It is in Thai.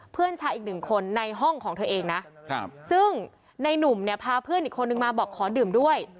เพื่อนชายอีกหนึ่งคนในห้องของเธอเองนะซึ่งในนุ่มเนี่ยพาเพื่อนอีกคนนึงมาบอกขอดื่มด้วย